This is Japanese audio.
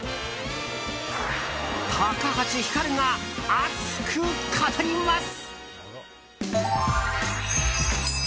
高橋ひかるが熱く語ります！